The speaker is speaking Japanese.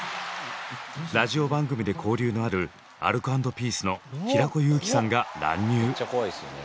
ラジオ番組で交流のあるアルコ＆ピースの平子祐希さんが乱入。